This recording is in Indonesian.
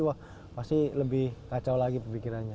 wah pasti lebih kacau lagi pemikirannya